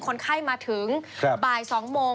คนไข้มาถึงบ่าย๒โมง